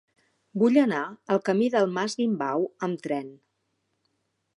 Vull anar al camí del Mas Guimbau amb tren.